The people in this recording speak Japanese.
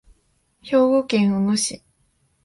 兵庫県小野市